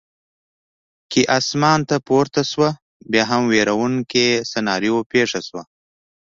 کې اسمان ته پورته شوه، بیا هم وېروونکې سناریو پېښه شوه.